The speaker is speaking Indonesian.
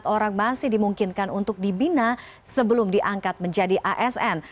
empat orang masih dimungkinkan untuk dibina sebelum diangkat menjadi asn